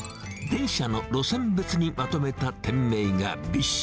電車の路線別にまとめた店名